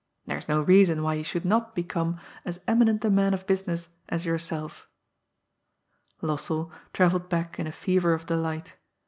There is no reason why he should not become as eminent a man of business as your self." Lossell travelled back in a fever of delight.